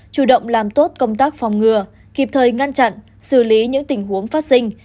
chủ động làm tốt công tác phòng ngừa kịp thời ngăn chặn xử lý những tình huống phát sinh